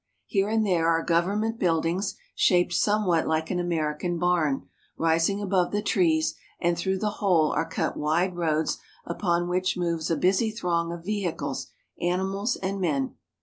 Here and there are government buildings, shaped somewhat like an American barn, rising above the THE GREAT CAPITAL OF CHINA 123 trees, and through the whole are cut wide roads upon which moves a busy throng of vehicles, animals, and men.